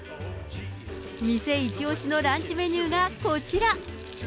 店一押しのランチメニューがこちら。